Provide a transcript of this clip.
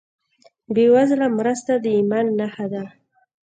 بېوزله مرسته د ایمان نښه ده.